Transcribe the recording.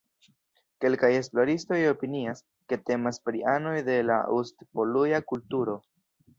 Kelkaj esploristoj opinias, ke temas pri anoj de la Ust-Poluja kulturo.